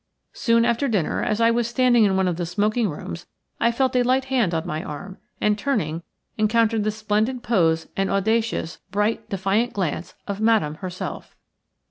Soon after dinner, as I was standing in one of the smoking rooms, I felt a light hand on my arm, and, turning, encountered the splendid pose and audacious, bright, defiant glance of Madame herself.